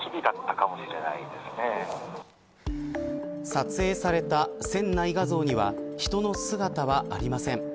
撮影された船内画像には人の姿はありません。